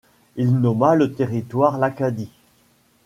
Il nomma le territoire l'Acadie.